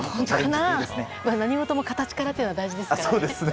でも何事も形からというのは大事ですから。